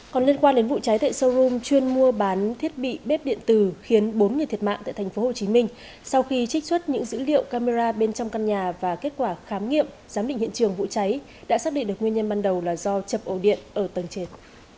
còn liên quan đến vụ cháy tại showroom chuyên mua bán thiết bị bếp điện tử khiến bốn người thiệt mạng tại tp hcm sau khi trích xuất những dữ liệu camera bên trong căn nhà và kết quả khám nghiệm giám định hiện trường vụ cháy đã xác định được nguyên nhân ban đầu là do chập ổ điện ở tầng trệt